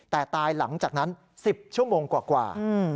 แต่ตายหลังจากนั้น๑๐ชั่วโมงกว่า